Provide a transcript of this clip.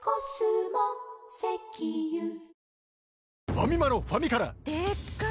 ファミマのファミからうまっ！